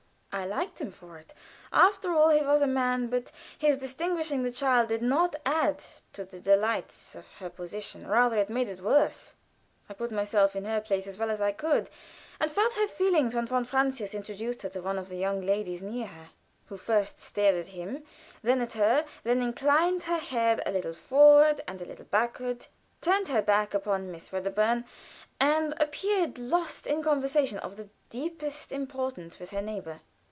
I liked him for it. After all, he was a man. But his distinguishing the child did not add to the delights of her position rather made it worse. I put myself in her place as well as I could, and felt her feelings when von Francius introduced her to one of the young ladies near her, who first stared at him, then at her, then inclined her head a little forward and a little backward, turned her back upon Miss Wedderburn, and appeared lost in conversation of the deepest importance with her neighbor.